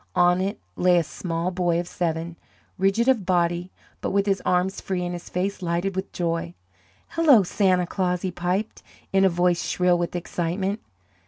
On it lay a small boy of seven, rigid of body, but with his arms free and his face lighted with joy. "Hello, Santa Claus!" he piped, in a voice shrill with excitement.